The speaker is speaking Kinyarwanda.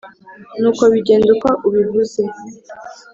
Nuko bigenda uko ubivuze